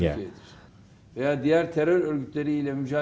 maka kami juga akan berjuang bersama mereka